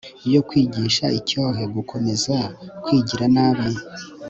yo kwigisha icyohe gukomeza kwigira nabi